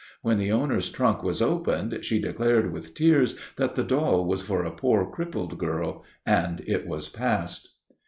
When the owner's trunk was opened, she declared with tears that the doll was for a poor crippled girl, and it was passed.